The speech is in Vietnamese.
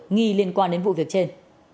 nghi liên quan đến vụ việc trên